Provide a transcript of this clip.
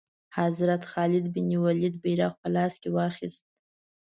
حضرت خالد بن ولید بیرغ په لاس کې واخیست.